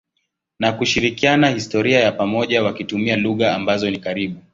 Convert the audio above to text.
na kushirikiana historia ya pamoja wakitumia lugha ambazo ni karibu.